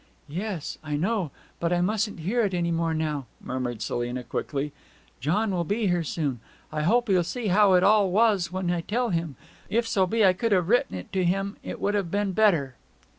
'Yes, I know! But I mustn't hear it any more now,' murmured Selina quickly. 'John will be here soon. I hope he'll see how it all was when I tell him. If so be I could have written it to him it would have been better.'